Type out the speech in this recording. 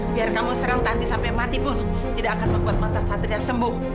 biar kamu serang tanti sampai mati pun tidak akan membuat mata satria sembuh